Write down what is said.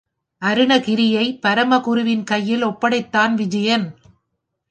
அருணகிரியை பரமகுருவின் கையில் ஒப்படைத்தான் விஜயன்.